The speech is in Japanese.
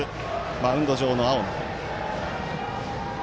マウンド上の青野。